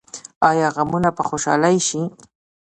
آیا غمونه به خوشحالي شي؟